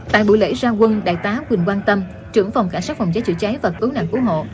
tại buổi lễ ra quân đại tá quỳnh quang tâm trưởng phòng cảnh sát phòng cháy chữa cháy và cứu nạn cứu hộ